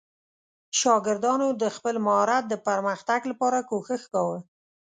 شاګردانو د خپل مهارت د پرمختګ لپاره کوښښ کاوه.